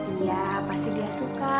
iya pasti dia suka